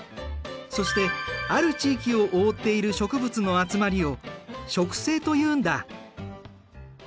そしてある地域を覆っている植物の集まりを「植生」というんだ。